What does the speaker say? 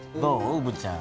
うぶちゃん。